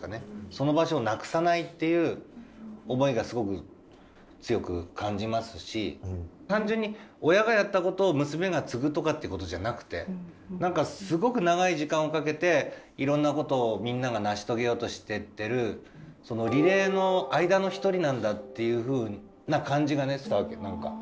その場所をなくさないっていう思いがすごく強く感じますし単純に親がやったことを娘が継ぐとかってことじゃなくてなんかすごく長い時間をかけていろんなことをみんなが成し遂げようとしてってるリレーの間の一人なんだっていうふうな感じがねしたわけなんか。